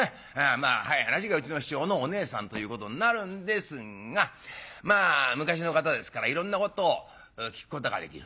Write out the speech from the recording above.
まあ早い話がうちの師匠のおねえさんということになるんですがまあ昔の方ですからいろんなことを聞くことができる。